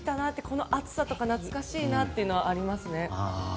この暑さとか懐かしいなっていうのはあります。